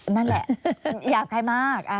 นั่นแหละหยาบคลายมาก